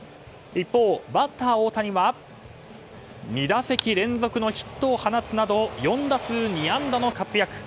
一方、バッター大谷は２打席連続のヒットを放つなど４打数２安打の活躍。